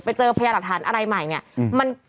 ไปเจอพยาบาทธรรมอะไรใหม่อย่างนี้